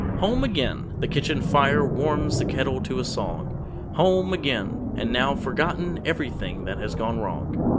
Home again! The kitchen fire Warms the kettle to a song. Home again! And now forgotten Everything that has gone wrong.